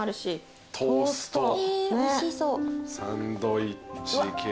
サンドイッチ系。